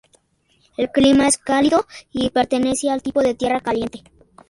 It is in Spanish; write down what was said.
El clima es cálido y pertenece al tipo de tierra caliente.